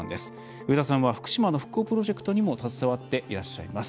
上田さんは福島の復興プロジェクトにも携わっていらっしゃいます。